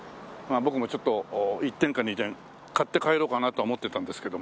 僕もちょっと１点か２点買って帰ろうかなとは思ってたんですけどもね